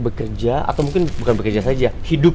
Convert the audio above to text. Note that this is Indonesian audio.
bekerja atau mungkin bukan bekerja saja hidup